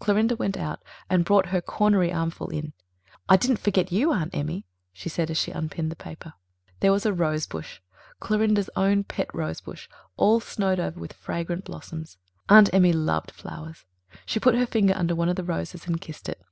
Clorinda went out and brought her cornery armful in. "I didn't forget you, Aunt Emmy," she said, as she unpinned the paper. There was a rosebush Clorinda's own pet rosebush all snowed over with fragrant blossoms. Aunt Emmy loved flowers. She put her finger under one of the roses and kissed it.